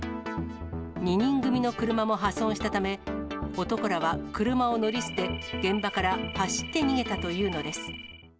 ２人組の車も破損したため、男らは車を乗り捨て、現場から走って逃げたというのです。